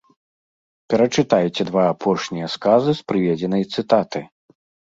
Перачытайце два апошнія сказы з прыведзенай цытаты.